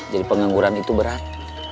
jadi pengangguran itu berat